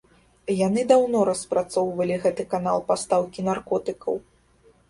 Яны даўно распрацоўвалі гэты канал пастаўкі наркотыкаў.